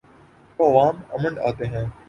تو عوام امنڈ آتے ہیں۔